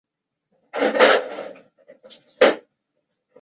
她是有史以来最年长的奥斯卡最佳女主角奖入围者。